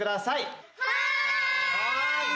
はい！